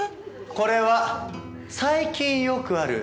これは最近よくある投資